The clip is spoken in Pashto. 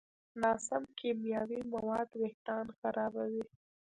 ناسم کیمیاوي مواد وېښتيان خرابوي.